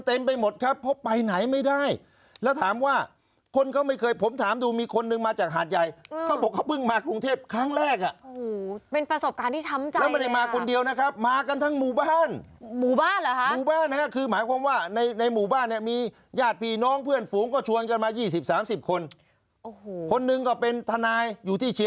สภาพไม่ได้ต่างจากหมอชิดที่เราไปมาเลยคุณจุฤทธิ์